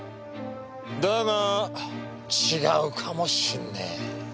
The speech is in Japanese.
だが違うかもしんねえ。